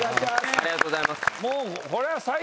ありがとうございます。